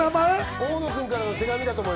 大野君からの手紙だと思う。